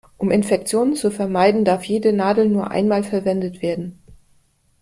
Um Infektionen zu vermeiden, darf jede Nadel nur einmal verwendet werden.